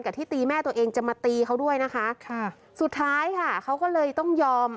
ที่ตีแม่ตัวเองจะมาตีเขาด้วยนะคะค่ะสุดท้ายค่ะเขาก็เลยต้องยอม